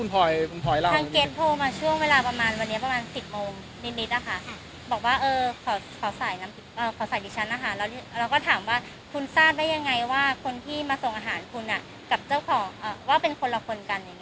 แล้วถามว่าคุณทราบได้ยังไงว่าคนที่มาส่งอาหารคุณกับเจ้าของว่าเป็นคนละคนกัน